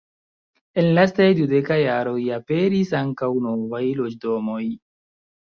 En lastaj dudeka jaroj aperis ankaŭ novaj loĝdomoj.